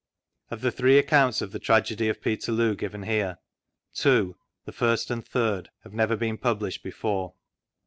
OF the three accounts of the Tragedy <tf Peterloo given here, two (the first and third) have never been published before.